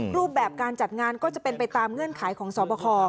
รูปแบบการจัดงานก็จะเป็นไปตามเงื่อนไขของสอบคอ